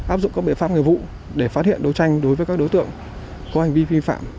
áp dụng các biện pháp nghiệp vụ để phát hiện đấu tranh đối với các đối tượng có hành vi vi phạm